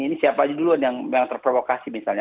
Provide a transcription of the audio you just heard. ini siapa aja duluan yang terprovokasi misalnya